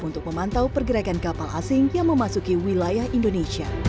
untuk memantau pergerakan kapal asing yang memasuki wilayah indonesia